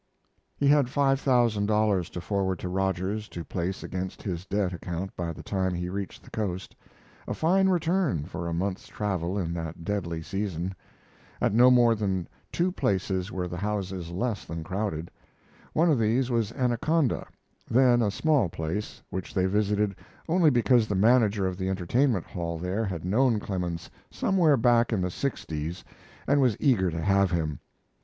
He had five thousand dollars to forward to Rogers to place against his debt account by the time he reached the Coast, a fine return for a month's travel in that deadly season. At no more than two places were the houses less than crowded. One of these was Anaconda, then a small place, which they visited only because the manager of the entertainment hall there had known Clemens somewhere back in the sixties and was eager to have him.